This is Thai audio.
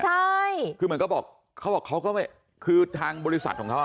ใช่คือเหมือนก็บอกเขาบอกเขาก็ไม่คือทางบริษัทของเขาอ่ะ